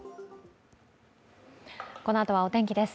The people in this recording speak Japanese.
このあとはお天気です。